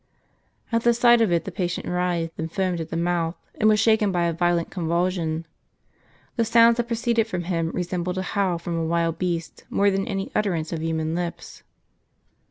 At the sight of it, the patient writhed and foamed at the mouth, and was shaken by a violent convulsion. The sounds that proceeded from him, resembled a howl from a wild beast, more than any utterance of human lips.